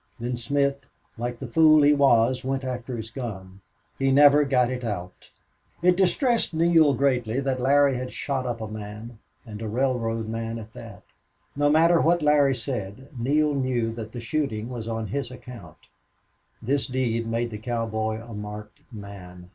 Then Smith, like the fool he was, went after his gun. He never got it out. It distressed Neale greatly that Larry had shot up a man and a railroad man at that. No matter what Larry said, Neale knew the shooting was on his account. This deed made the cowboy a marked man.